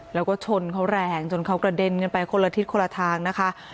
แล้วก็ชนเขาแรงจนเขากระเด็นกันไปคนละทิศคนละทางนะคะ